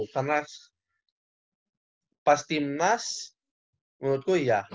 karena pas tim nas menurutku iya